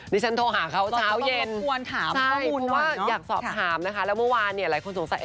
ฉันโทรหาเขาเช้าเย็นข้อมูลว่าอยากสอบถามนะคะแล้วเมื่อวานเนี่ยหลายคนสงสัย